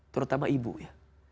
terutama ibu ya